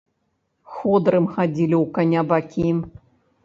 Ходырам хадзілі ў каня бакі.